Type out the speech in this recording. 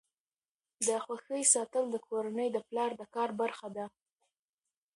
د خوښۍ ساتل د کورنۍ د پلار د کار برخه ده.